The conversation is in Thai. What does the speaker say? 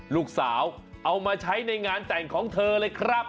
ลูกสาวเอามาใช้ในงานแต่งของเธอเลยครับ